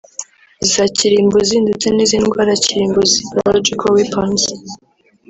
iza kirimbuzi ndetse n’iz’indwara kirimbuzi (Biological weapons)